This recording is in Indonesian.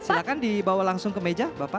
silahkan dibawa langsung ke meja bapak